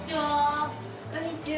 こんにちは。